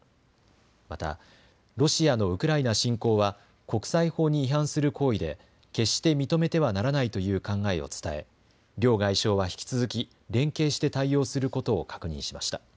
またロシアのウクライナ侵攻は国際法に違反する行為で決して認めてはならないという考えを伝え両外相は引き続き連携して対応することを確認しました。